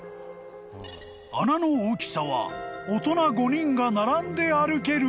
［穴の大きさは大人５人が並んで歩ける広さ］